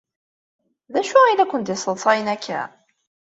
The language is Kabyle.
D acu ay la kent-yesseḍsayen akka?